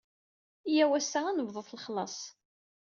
Yya-w assa ad nebḍut lexlas.